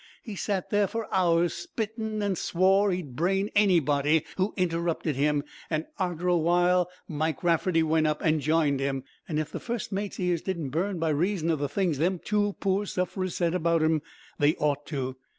He sat there for hours spitting, an' swore he'd brain anybody who interrupted him, an' arter a little while Mike Rafferty went up and j'ined him, an' if the fust mate's ears didn't burn by reason of the things them two pore sufferers said about 'im, they ought to.